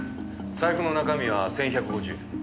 財布の中身は１１５０円。